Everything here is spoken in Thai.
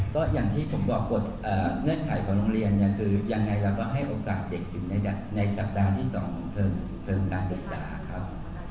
ก็อย่างที่ผมบอกกฎเงื่อนไขของโรงเรียนเนี่ยคือยังไงเราก็ให้โอกาสเด็กถึงในสัปดาห์ที่๒เทอมการศึกษาครับ